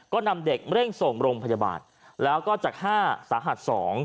ก็นำเด็กเร่งส่งโรงพยาบาลแล้วก็จาก๕สาหัส๒